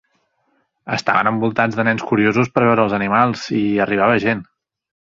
Estaven envolats de nens curiosos per veure els animals, i arribava gent.